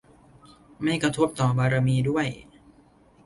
ไม่กระทบต่อบารมีด้วย !